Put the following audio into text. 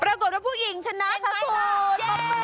ปรากฏว่าผู้หญิงชนะสักครู่